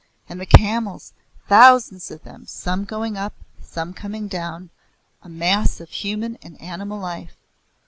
And the camels thousands of them, some going up, some coming down, a mass of human and animal life.